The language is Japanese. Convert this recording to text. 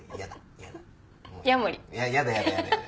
やだやだやだやだ。